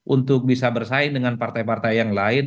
untuk bisa bersaing dengan partai partai yang lain